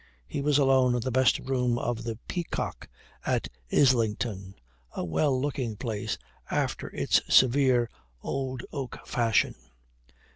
He was alone in the best room of the "Peacock" at Islington, a well looking place after its severe old oak fashion.